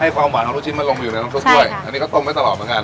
ให้ความหวานของลูกชิ้นมันลงไปอยู่ในลำโซ่กล้วยใช่ค่ะอันนี้ก็ต้มไปตลอดเหมือนกัน